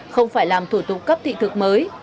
không phải làm thủ tục cấp thị thực mới